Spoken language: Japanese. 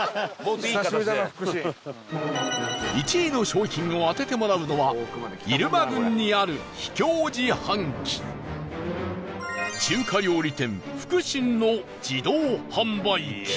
１位の商品を当ててもらうのは入間郡にある秘境自販機中華料理店、福しんの自動販売機